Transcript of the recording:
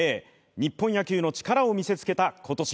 日本野球のチカラを見せつけた今年。